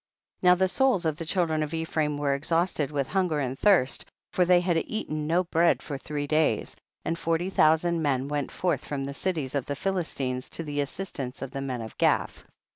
14. Now the souls of the children of Ephraim were exhausted with hunger and thirst, for they had eaten no bread for three days. And forty thousand men went forth from the THE BOOK OF JASHER. 227 cities of the Philistines to the assist ance of the men of Gath.